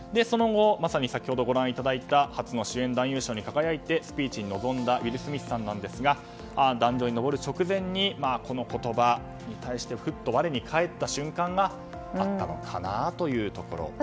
その後、まさに先ほどご覧いただいた初の主演男優賞に輝いてスピーチに臨んだウィル・スミスさんですが壇上に上る直前にこの言葉を思い出してふっと我に返った瞬間があったのかなというところ。